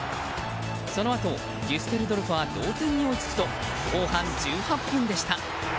そのあと、デュッセルドルフは同点に追いつくと後半１８分でした。